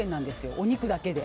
お肉だけで。